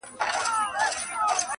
هغه چي ته یې د غیرت له افسانو ستړی سوې؛